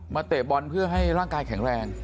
เตะบอลเพื่อให้ร่างกายแข็งแรง